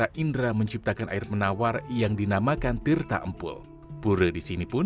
rakyat namun batara indra menciptakan air menawar yang dinamakan tirta empul pura disini pun